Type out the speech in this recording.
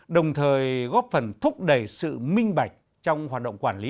đồng thời góp phần thúc đẩy sự minh bạch trong hoạt động quản lý